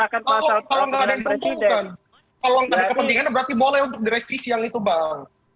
kalau nggak ada yang diuntungkan kalau nggak ada kepentingan berarti boleh untuk direvisi yang itu bang